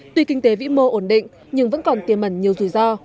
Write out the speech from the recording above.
tuy kinh tế vĩ mô ổn định nhưng vẫn còn tiềm mẩn nhiều rủi ro